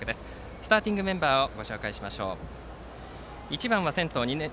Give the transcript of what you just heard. スターティングメンバーです。